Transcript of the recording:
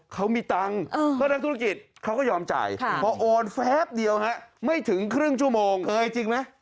เขามีตังต้อนรักษาธุรกิจเขาก็ยอมจ่ายพ่อโอนแฟลปเหลวไม่ถึงครึ่งมวง